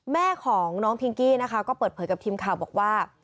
แม่ของน้องพิงกี้นะคะก็เปิดเผยกับทีมข่าวบอกว่า